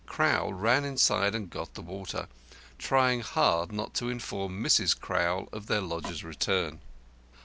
Crowl ran inside and got the water, trying hard not to inform Mrs. Crowl of their lodger's return.